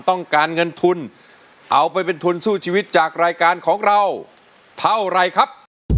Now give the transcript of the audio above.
ต้องการเงินทุนเอาไปเป็นทุนสู้ชีวิตจากรายการของเราเท่าไรครับ